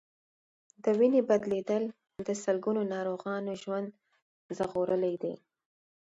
د وینې بدلېدل د سلګونو ناروغانو ژوند ژغورلی دی.